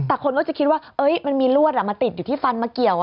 แต่คนก็จะคิดว่ามันมีลวดมาติดอยู่ที่ฟันมาเกี่ยว